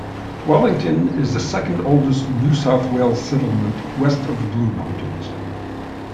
Wellington is the second oldest New South Wales settlement west of the Blue Mountains.